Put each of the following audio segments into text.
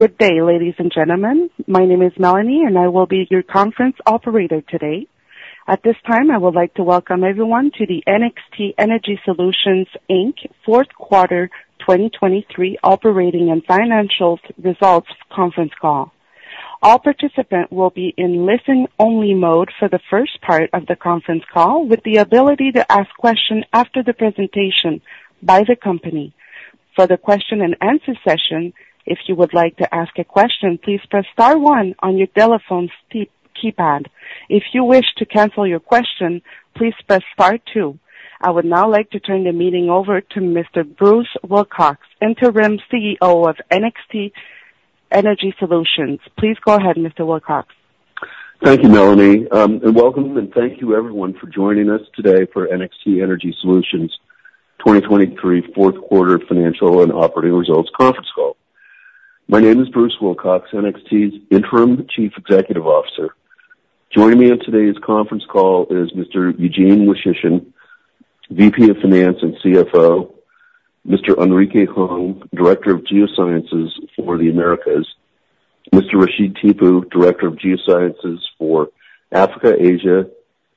Good day, ladies and gentlemen. My name is Melanie, and I will be your conference operator today. At this time, I would like to welcome everyone to the NXT Energy Solutions, Inc. Fourth Quarter 2023 Operating and Financial Results Conference Call. All participants will be in listen-only mode for the first part of the conference call, with the ability to ask questions after the presentation by the company. For the question-and-answer session, if you would like to ask a question, please press star one on your telephone's keypad. If you wish to cancel your question, please press star two. I would now like to turn the meeting over to Mr. Bruce Wilcox, Interim CEO of NXT Energy Solutions. Please go ahead, Mr. Wilcox. Thank you, Melanie. Welcome, and thank you, everyone, for joining us today for NXT Energy Solutions' 2023 Fourth Quarter Financial and Operating Results Conference Call. My name is Bruce Wilcox, NXT's Interim Chief Executive Officer. Joining me on today's conference call is Mr. Eugene Woychyshyn, VP of Finance and CFO, Mr. Enrique Hung, Director of Geosciences for the Americas, Mr. Rashid Tippu, Director of Geosciences for Africa, Asia,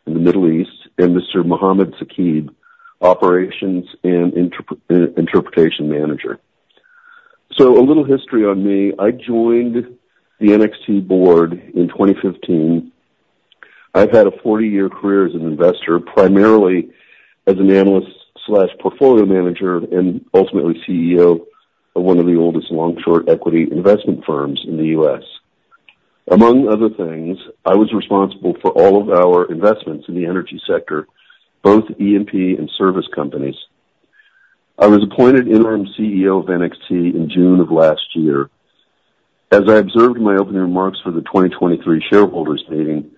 and the Middle East, and Mr. Muhammad Saqib, Operations and Interpretation Manager. So a little history on me. I joined the NXT Board in 2015. I've had a 40-year career as an investor, primarily as an analyst/portfolio manager and ultimately CEO of one of the oldest long-short equity investment firms in the U.S. Among other things, I was responsible for all of our investments in the energy sector, both E&P and service companies. I was appointed Interim CEO of NXT in June of last year. As I observed in my opening remarks for the 2023 Shareholders' Meeting,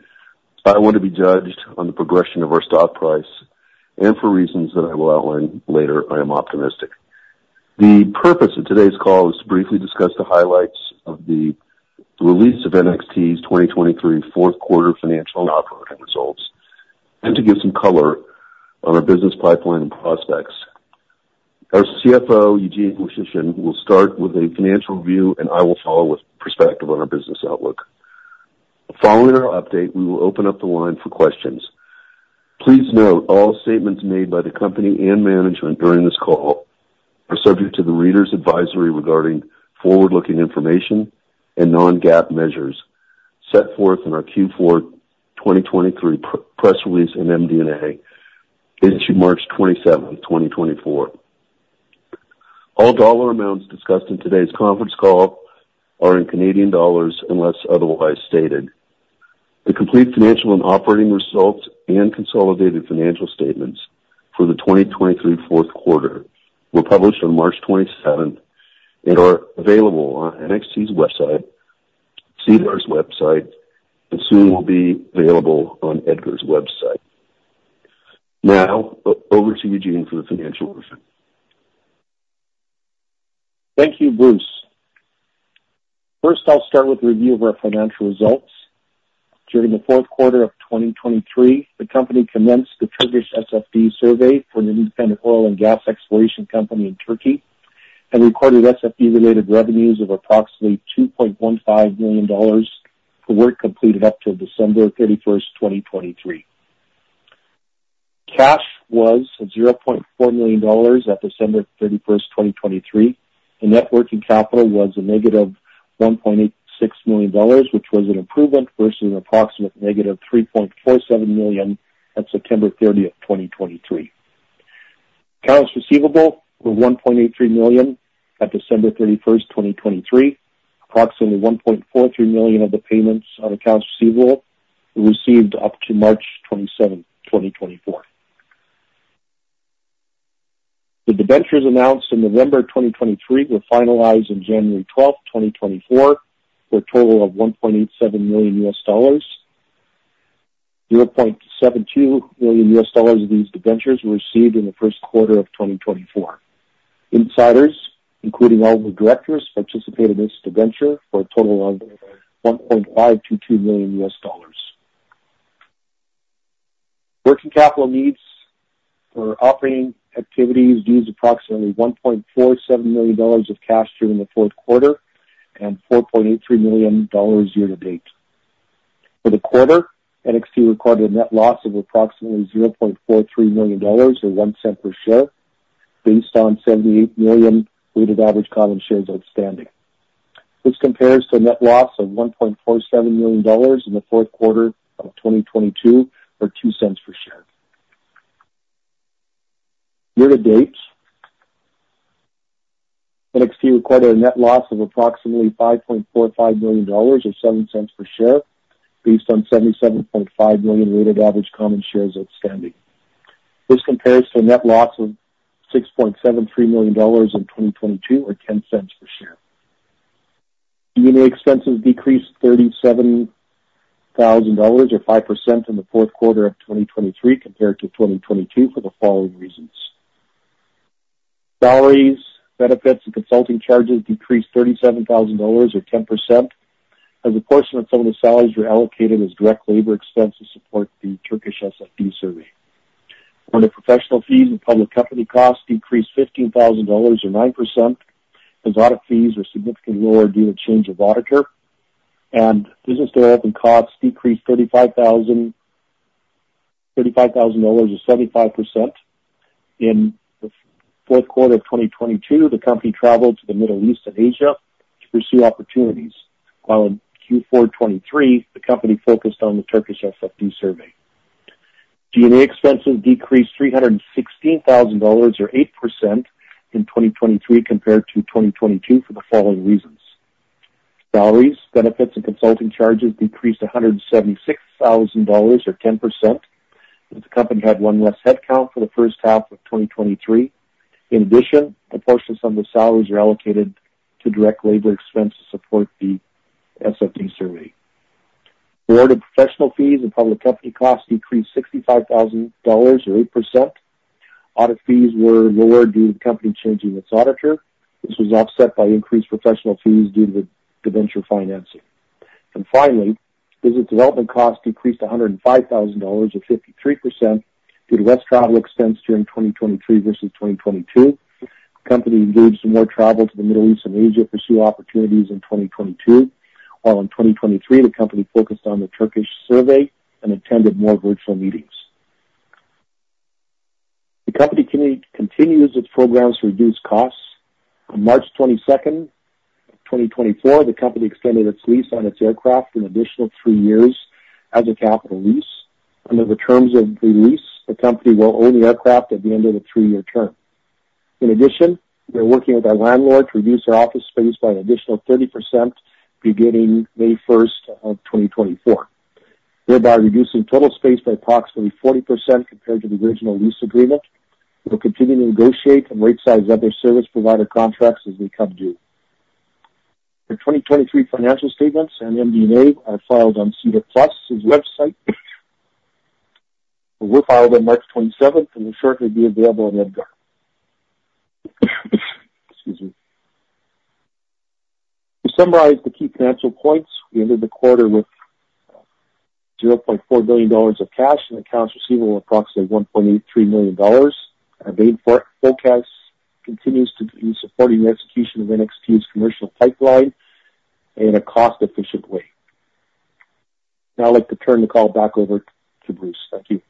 I want to be judged on the progression of our stock price, and for reasons that I will outline later, I am optimistic. The purpose of today's call is to briefly discuss the highlights of the release of NXT's 2023 Fourth Quarter Financial and Operating Results and to give some color on our business pipeline and prospects. Our CFO, Eugene Woychyshyn, will start with a financial review, and I will follow with perspective on our business outlook. Following our update, we will open up the line for questions. Please note, all statements made by the company and management during this call are subject to the reader's advisory regarding forward-looking information and non-GAAP measures set forth in our Q4 2023 press release and MD&A issued March 27, 2024. All dollar amounts discussed in today's conference call are in Canadian dollars unless otherwise stated. The complete financial and operating results and consolidated financial statements for the 2023 Fourth Quarter were published on March 27th and are available on NXT's website, SEDAR's website, and soon will be available on EDGAR's website. Now, over to Eugene for the financial version. Thank you, Bruce. First, I'll start with the review of our financial results. During the fourth quarter of 2023, the company commenced the Turkish SFD survey for an independent oil and gas exploration company in Turkey and recorded SFD-related revenues of approximately 2.15 million dollars for work completed up till December 31st, 2023. Cash was 0.4 million dollars at December 31st, 2023, and net working capital was -1.86 million dollars, which was an improvement versus approximately -3.47 million at September 30th, 2023. Accounts receivable were 1.83 million at December 31st, 2023; approximately 1.43 million of the payments on accounts receivable were received up to March 27th, 2024. The debentures announced in November 2023 were finalized on January 12th, 2024, for a total of $1.87 million. $0.72 million of these debentures were received in the first quarter of 2024. Insiders, including all of the Directors, participated in this debenture for a total of $1.522 million. Working capital needs for operating activities used approximately 1.47 million dollars of cash during the fourth quarter and 4.83 million dollars year-to-date. For the quarter, NXT recorded a net loss of approximately 0.43 million dollars or 0.01 per share based on 78 million weighted average common shares outstanding. This compares to a net loss of 1.47 million dollars in the fourth quarter of 2022 or 0.02 per share. Year-to-date, NXT recorded a net loss of approximately 5.45 million dollars or 0.07 per share based on 77.5 million weighted average common shares outstanding. This compares to a net loss of 6.73 million dollars in 2022 or 0.10 per share. G&A expenses decreased 37,000 dollars or 5% in the fourth quarter of 2023 compared to 2022 for the following reasons. Salaries, benefits, and consulting charges decreased 37,000 dollars or 10%, as a portion of some of the salaries were allocated as direct labor expense to support the Turkish SFD survey. Rent of professional fees and public company costs decreased 15,000 dollars or 9%, as audit fees were significantly lower due to change of auditor. Business development costs decreased 35,000 dollars or 75%. In the fourth quarter of 2022, the company traveled to the Middle East and Asia to pursue opportunities, while in Q4 2023, the company focused on the Turkish SFD survey. G&A expenses decreased 316,000 dollars or 8% in 2023 compared to 2022 for the following reasons. Salaries, benefits, and consulting charges decreased 176,000 dollars or 10%, as the company had one less headcount for the first half of 2023. In addition, a portion of some of the salaries were allocated to direct labor expense to support the SFD survey. Rent, professional fees and public company costs decreased 65,000 dollars or 8%. Audit fees were lower due to the company changing its auditor. This was offset by increased professional fees due to the debenture financing. Finally, business development costs decreased 105,000 dollars or 53% due to less travel expense during 2023 versus 2022. The company engaged in more travel to the Middle East and Asia to pursue opportunities in 2022, while in 2023, the company focused on the Turkish survey and attended more virtual meetings. The company continues its programs to reduce costs. On March 22nd, 2024, the company extended its lease on its aircraft for an additional three years as a capital lease. Under the terms of the lease, the company will own the aircraft at the end of the three-year term. In addition, we are working with our landlord to reduce our office space by an additional 30% beginning May 1st of 2024, thereby reducing total space by approximately 40% compared to the original lease agreement. We'll continue to negotiate and right-size other service provider contracts as they come due. The 2023 financial statements and MD&A are filed on SEDAR+'s website. They were filed on March 27th and will shortly be available on EDGAR. Excuse me. To summarize the key financial points, we ended the quarter with 0.4 billion dollars of cash and accounts receivable of approximately 1.83 million dollars. Our main forecast continues to be supporting the execution of NXT's commercial pipeline in a cost-efficient way. Now, I'd like to turn the call back over to Bruce. Thank you.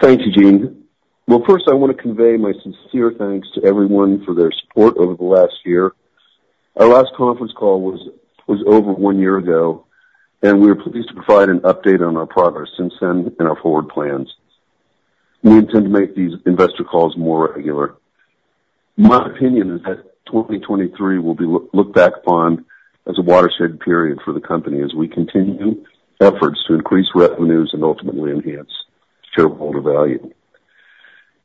Thanks, Eugene. Well, first, I want to convey my sincere thanks to everyone for their support over the last year. Our last conference call was over one year ago, and we are pleased to provide an update on our progress since then and our forward plans. We intend to make these investor calls more regular. My opinion is that 2023 will be looked back on as a watershed period for the company as we continue efforts to increase revenues and ultimately enhance shareholder value.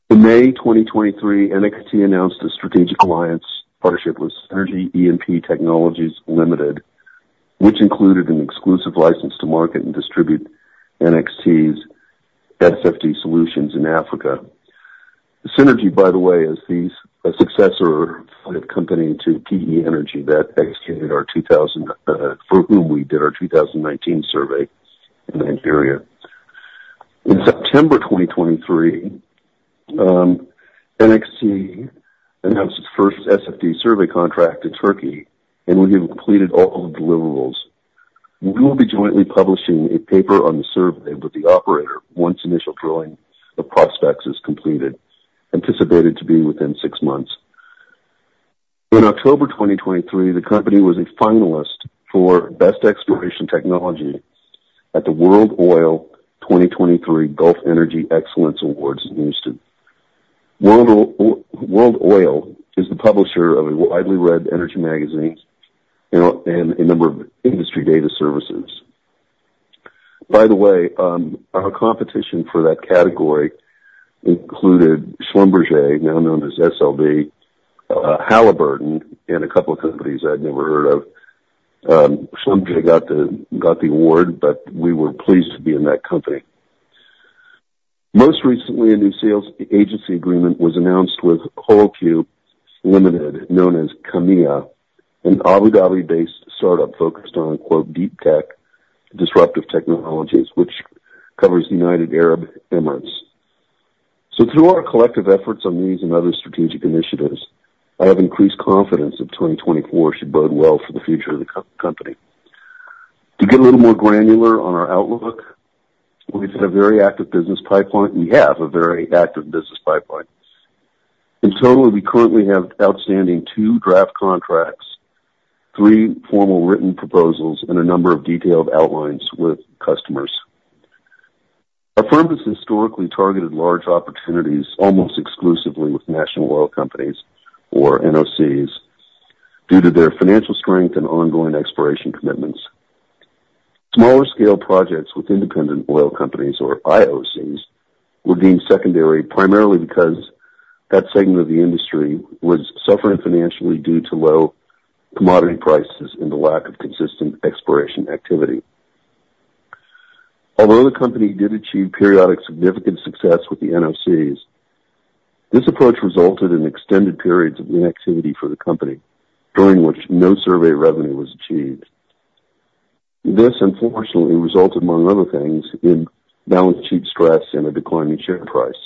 In May 2023, NXT announced a strategic alliance partnership with Synergy E&P Technologies Limited, which included an exclusive license to market and distribute NXT's SFD solutions in Africa. Synergy, by the way, is a successor of PE Energy that executed our 2019 survey in Nigeria. In September 2023, NXT announced its first SFD survey contract in Turkey, and we have completed all of the deliverables. We will be jointly publishing a paper on the survey with the operator once initial drilling of prospects is completed, anticipated to be within six months. In October 2023, the company was a finalist for Best Exploration Technology at the World Oil 2023 Gulf Energy Excellence Awards in Houston. World Oil is the publisher of a widely read energy magazine and a number of industry data services. By the way, our competition for that category included Schlumberger, now known as SLB, Halliburton, and a couple of companies I'd never heard of. Schlumberger got the award, but we were pleased to be in that company. Most recently, a new sales agency agreement was announced with Wholcube Limited, known as Kameya, an Abu Dhabi-based startup focused on "Deep Tech, Disruptive Technologies," which covers the United Arab Emirates. So through our collective efforts on these and other strategic initiatives, I have increased confidence that 2024 should bode well for the future of the company. To get a little more granular on our outlook, we've had a very active business pipeline. We have a very active business pipeline. In total, we currently have outstanding two draft contracts, three formal written proposals, and a number of detailed outlines with customers. Our firm has historically targeted large opportunities almost exclusively with national oil companies or NOCs due to their financial strength and ongoing exploration commitments. Smaller-scale projects with independent oil companies or IOCs were deemed secondary, primarily because that segment of the industry was suffering financially due to low commodity prices and the lack of consistent exploration activity. Although the company did achieve periodic significant success with the NOCs, this approach resulted in extended periods of inactivity for the company, during which no survey revenue was achieved. This, unfortunately, resulted, among other things, in balance sheet stress and a declining share price.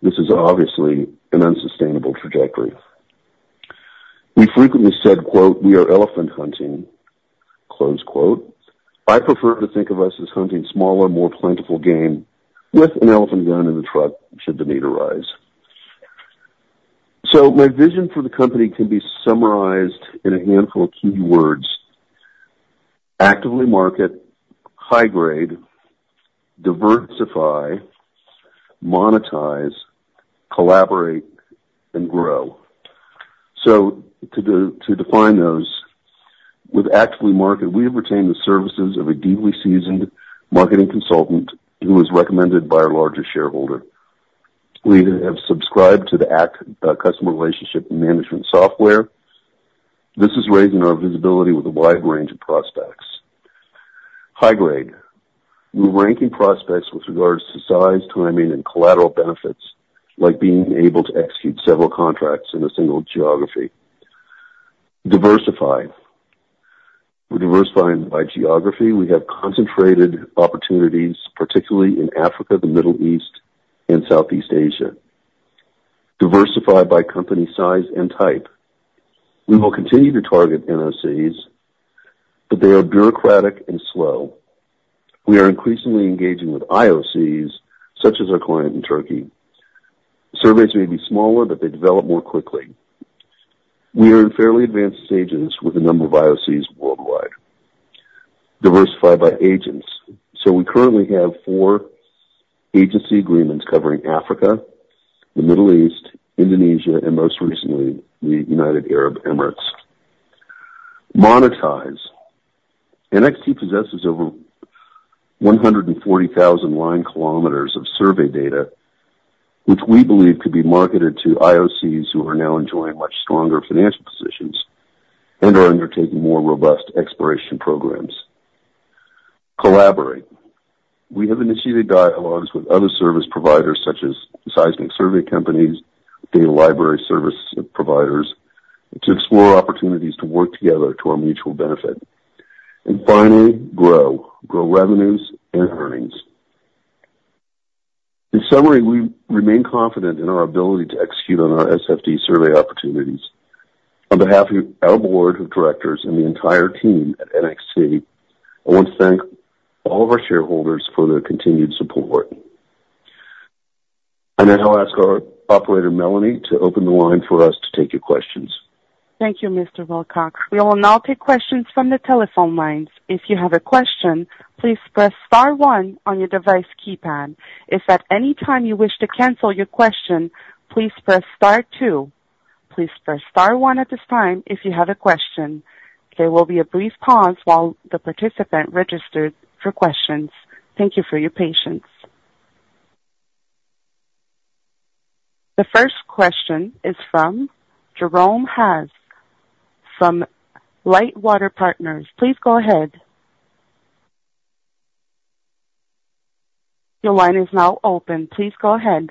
This is obviously an unsustainable trajectory. We frequently said, "We are elephant hunting." I prefer to think of us as hunting smaller, more plentiful game with an elephant gun in the truck should the need arise. So my vision for the company can be summarized in a handful of key words: actively market, high-grade, diversify, monetize, collaborate, and grow. So to define those, with active marketing, we have retained the services of a deeply seasoned marketing consultant who was recommended by our largest shareholder. We have subscribed to the Act Customer Relationship Management software. This is raising our visibility with a wide range of prospects. High-grade, we're ranking prospects with regards to size, timing, and collateral benefits, like being able to execute several contracts in a single geography. Diversify, we're diversifying by geography. We have concentrated opportunities, particularly in Africa, the Middle East, and Southeast Asia. Diversify by company size and type. We will continue to target NOCs, but they are bureaucratic and slow. We are increasingly engaging with IOCs, such as our client in Turkey. Surveys may be smaller, but they develop more quickly. We are in fairly advanced stages with a number of IOCs worldwide. Diversify by agents. So we currently have four agency agreements covering Africa, the Middle East, Indonesia, and most recently, the United Arab Emirates. Monetize, NXT possesses over 140,000 line kilometers of survey data, which we believe could be marketed to IOCs who are now enjoying much stronger financial positions and are undertaking more robust exploration programs. Collaborate, we have initiated dialogues with other service providers, such as seismic survey companies, data library service providers, to explore opportunities to work together to our mutual benefit. And finally, Grow, grow revenues and earnings. In summary, we remain confident in our ability to execute on our SFD survey opportunities. On behalf of our Board of Directors and the entire team at NXT, I want to thank all of our shareholders for their continued support. And I now ask our operator, Melanie, to open the line for us to take your questions. Thank you, Mr. Wilcox. We will now take questions from the telephone lines. If you have a question, please press star one on your device keypad. If at any time you wish to cancel your question, please press star two. Please press star one at this time if you have a question. There will be a brief pause while the participant registers for questions. Thank you for your patience. The first question is from Jerome Hass from Lightwater Partners. Please go ahead. Your line is now open. Please go ahead.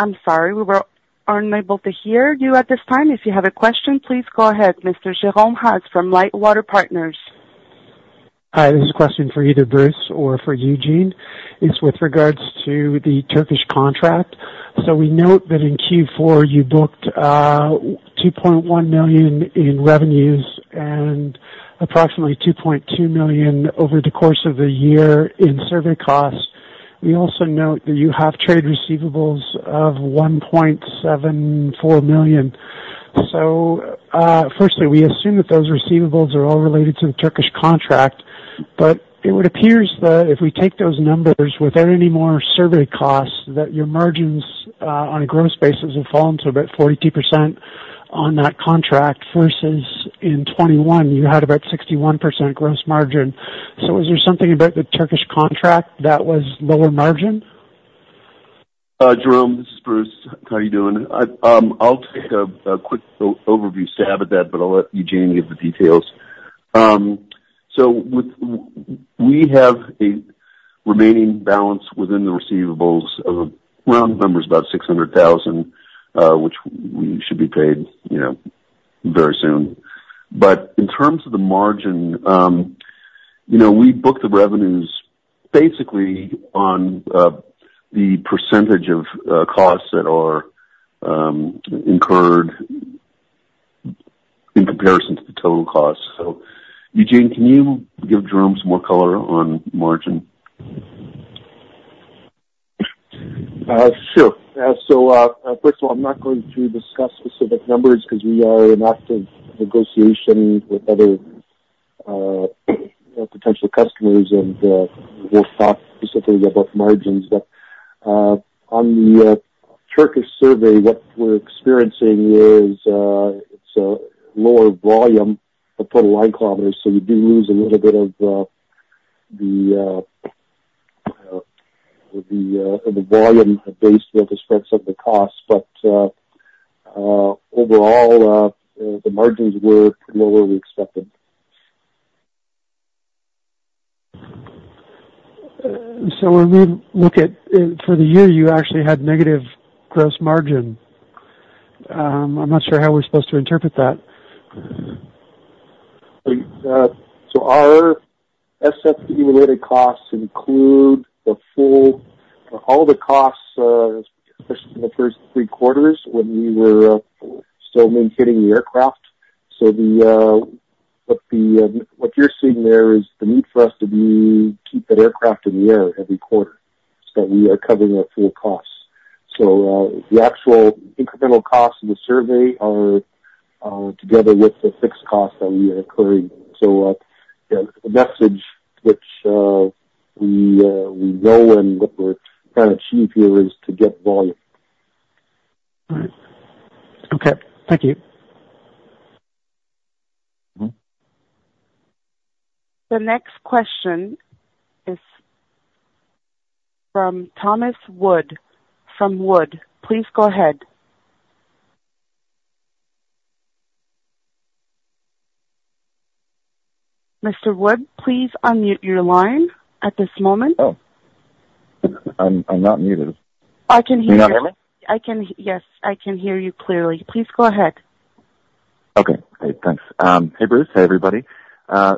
I'm sorry. We weren't able to hear you at this time. If you have a question, please go ahead, Mr. Jerome Hass from Lightwater Partners. Hi. This is a question for either Bruce or for Eugene. It's with regards to the Turkish contract. So we note that in Q4, you booked 2.1 million in revenues and approximately 2.2 million over the course of the year in survey costs. We also note that you have trade receivables of 1.74 million. So firstly, we assume that those receivables are all related to the Turkish contract, but it would appear that if we take those numbers without any more survey costs, that your margins on a gross basis have fallen to about 42% on that contract versus in 2021, you had about 61% gross margin. So is there something about the Turkish contract that was lower margin? Jerome, this is Bruce. How are you doing? I'll take a quick overview stab at that, but I'll let Eugene give the details. So we have a remaining balance within the receivables of around numbers about 600,000, which we should be paid very soon. But in terms of the margin, we book the revenues basically on the percentage of costs that are incurred in comparison to the total costs. So Eugene, can you give Jerome some more color on margin? Sure. So first of all, I'm not going to discuss specific numbers because we are in active negotiation with other potential customers, and we'll talk specifically about margins. But on the Turkish survey, what we're experiencing is it's a lower volume of total line kilometers. So you do lose a little bit of the volume-based scale disparities of the costs. But overall, the margins were lower than we expected. When we look at for the year, you actually had negative gross margin. I'm not sure how we're supposed to interpret that. So our SFD-related costs include all the costs, especially in the first three quarters when we were still maintaining the aircraft. So what you're seeing there is the need for us to keep that aircraft in the air every quarter so that we are covering our full costs. So the actual incremental costs of the survey are together with the fixed costs that we are incurring. So the message which we know and what we're trying to achieve here is to get volume. All right. Okay. Thank you. The next question is from Thomas Wood. Please go ahead. Mr. Wood, please unmute your line at this moment. Oh. I'm not muted. I can hear you. You not hear me? Yes, I can hear you clearly. Please go ahead. Okay. Great. Thanks. Hey, Bruce. Hey, everybody. I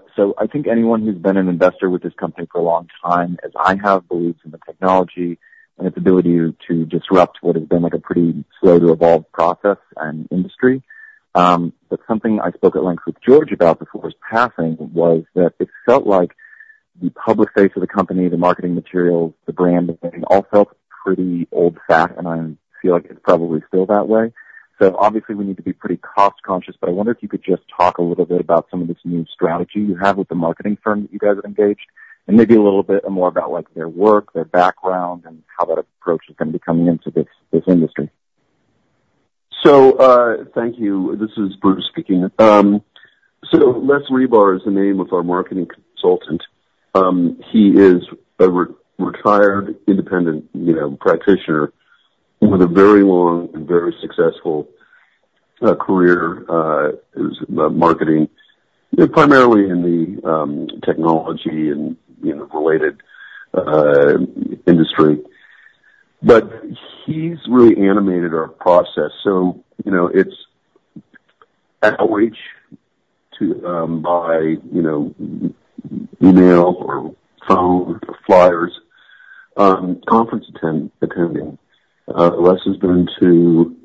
think anyone who's been an investor with this company for a long time, as I have, believes in the technology and its ability to disrupt what has been a pretty slow-to-evolve process and industry. But something I spoke at length with George about before his passing was that it felt like the public face of the company, the marketing materials, the branding, all felt pretty old-fashioned, and I feel like it's probably still that way. Obviously, we need to be pretty cost-conscious. But I wonder if you could just talk a little bit about some of this new strategy you have with the marketing firm that you guys have engaged, and maybe a little bit more about their work, their background, and how that approach is going to be coming into this industry. Thank you. This is Bruce speaking. Les Rebar is the name of our marketing consultant. He is a retired independent practitioner with a very long and very successful career in marketing, primarily in the technology and related industry. But he's really animated our process. It's outreach by email or phone or flyers, conference attending. Les has been to,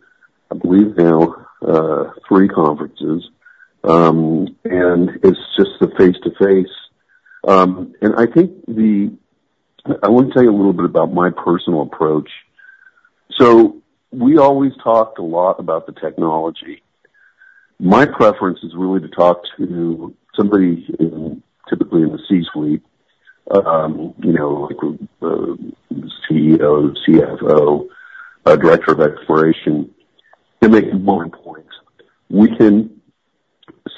I believe now, three conferences, and it's just the face-to-face. I want to tell you a little bit about my personal approach. We always talked a lot about the technology. My preference is really to talk to somebody typically in the C-suite, like a CEO, CFO, Director of Exploration. They make more points. We can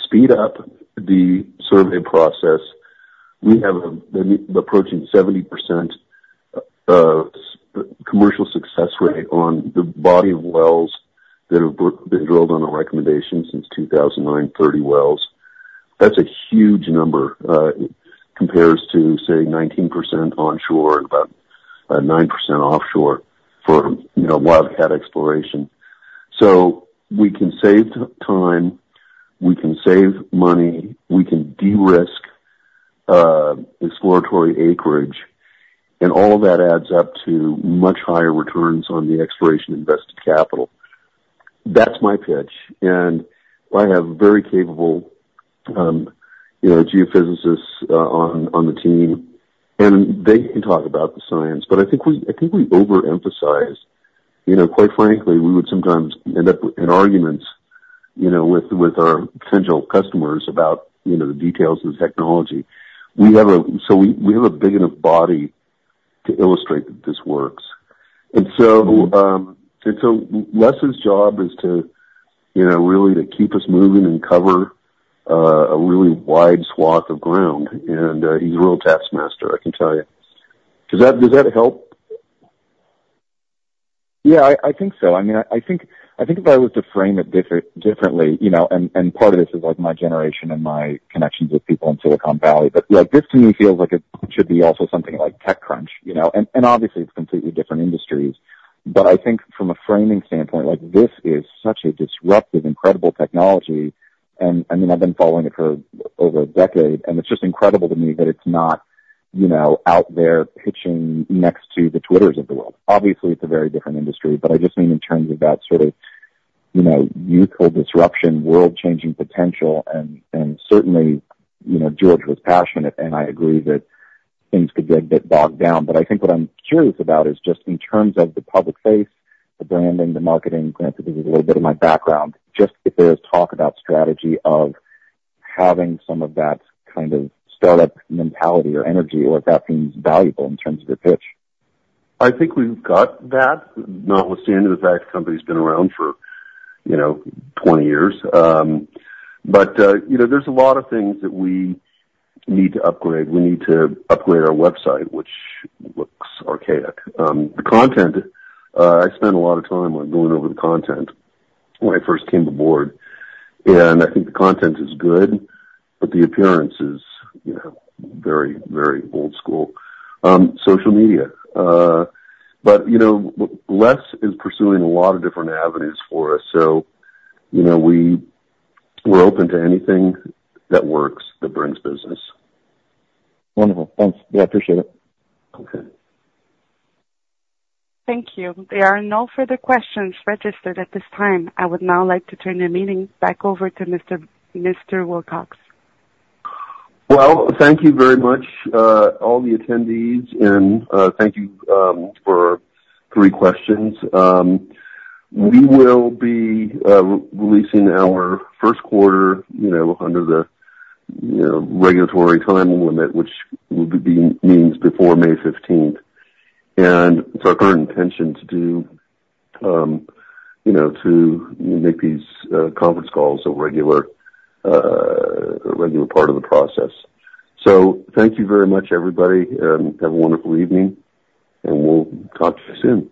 speed up the survey process. We have an approaching 70% commercial success rate on the body of wells that have been drilled on the recommendations since 2009, 30 wells. That's a huge number compared to, say, 19% onshore and about 9% offshore for wildcat exploration. We can save time. We can save money. We can de-risk exploratory acreage. All of that adds up to much higher returns on the exploration-invested capital. That's my pitch. I have very capable geophysicists on the team, and they can talk about the science. But I think we overemphasize. Quite frankly, we would sometimes end up in arguments with our potential customers about the details of the technology. We have a big enough body to illustrate that this works. Les's job is really to keep us moving and cover a really wide swath of ground. He's a real taskmaster, I can tell you. Does that help? Yeah, I think so. I mean, I think if I was to frame it differently and part of this is my generation and my connections with people in Silicon Valley. But this, to me, feels like it should be also something like TechCrunch. And obviously, it's completely different industries. But I think from a framing standpoint, this is such a disruptive, incredible technology. And I mean, I've been following it for over a decade, and it's just incredible to me that it's not out there pitching next to the Twitters of the world. Obviously, it's a very different industry, but I just mean in terms of that sort of youthful disruption, world-changing potential. And certainly, George was passionate, and I agree that things could get a bit bogged down. But I think what I'm curious about is just in terms of the public face, the branding, the marketing, granted, this is a little bit of my background, just if there is talk about strategy of having some of that kind of startup mentality or energy, or if that seems valuable in terms of your pitch. I think we've got that, notwithstanding the fact the company's been around for 20 years. But there's a lot of things that we need to upgrade. We need to upgrade our website, which looks archaic. The content, I spent a lot of time going over the content when I first came aboard. And I think the content is good, but the appearance is very, very old-school social media. But Les is pursuing a lot of different avenues for us, so we're open to anything that works that brings business. Wonderful. Thanks. Yeah, I appreciate it. Okay. Thank you. There are no further questions registered at this time. I would now like to turn the meeting back over to Mr. Wilcox. Well, thank you very much, all the attendees, and thank you for three questions. We will be releasing our first quarter under the regulatory timeline, which means before May 15th. It's our current intention to make these conference calls a regular part of the process. Thank you very much, everybody. Have a wonderful evening, and we'll talk to you soon.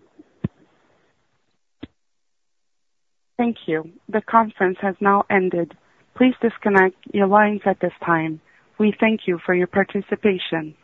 Thank you. The conference has now ended. Please disconnect your lines at this time. We thank you for your participation.